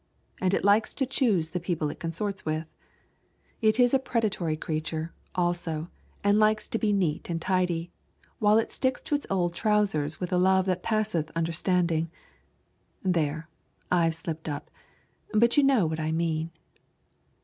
And it likes to choose the people it consorts with. It is a predatory creature, also, and likes to be neat and tidy, while it sticks to its old trousers with a love that passeth understanding there, I've slipped up, but you know what I mean.